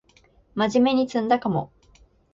まじめに詰んだかも